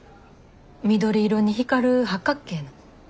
緑色に光る八角形の。